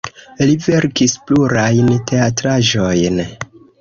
Li verkis plurajn teatraĵojn.